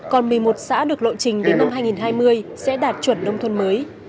còn một mươi một xã được lộ trình đến năm hai nghìn hai mươi sẽ đạt chuẩn nông thôn mới